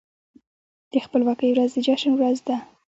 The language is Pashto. د خپلواکۍ ورځ د جشن ورځ ده.